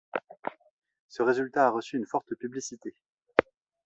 Ce résultat a reçu une forte publicité.